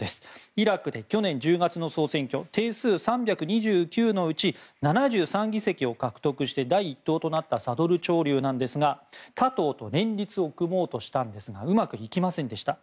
イラクで去年１０月の総選挙定数３２９のうち７３議席を獲得し第一党となったサドル潮流ですが他党と連立を組もうとしたんですがうまくいきませんでした。